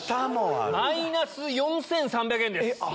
マイナス４３００円です。